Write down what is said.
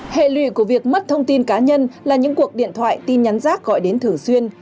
hệ lụy của việc mất thông tin cá nhân là những cuộc điện thoại tin nhắn rác gọi đến thường xuyên